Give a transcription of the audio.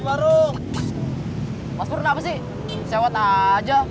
belum sarapan belum sarapan